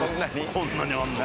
こんなにあるのに。